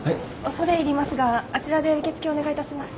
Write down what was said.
恐れ入りますがあちらで受け付けお願いいたします。